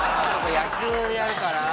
野球やるから。